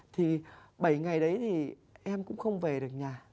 thì bảy ngày đấy thì em cũng không về được nhà